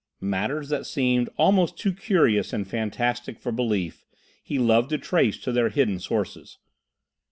Matters that seemed almost too curious and fantastic for belief he loved to trace to their hidden sources.